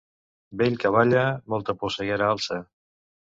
Vell que balla, molta polseguera alça.